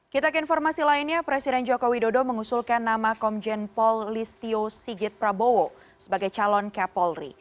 kitab informasi lainnya presiden jokowi dodo mengusulkan nama komjen pol listio sigit prabowo sebagai calon kepolri